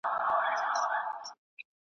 که پاکستان دی که روس ایران دی `